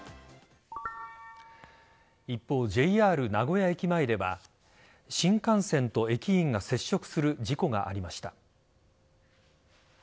一方、ＪＲ名古屋駅前では新幹線と駅員が接触する事故がありました。